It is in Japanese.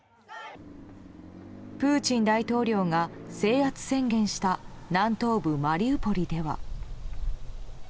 プーチン大統領が制圧宣言した南東部マリウポリでは。